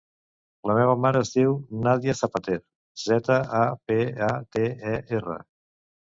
La meva mare es diu Nàdia Zapater: zeta, a, pe, a, te, e, erra.